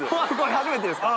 初めてですか？